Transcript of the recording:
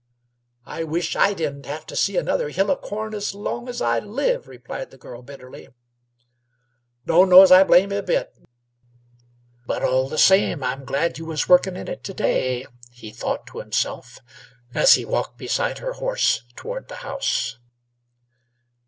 "I wish I didn't have to see another hill of corn as long as I live!" replied the girl, bitterly. "Don't know as I blame yeh a bit. But, all the same, I'm glad you was working in it to day," he thought to himself, as he walked beside her horse toward the house.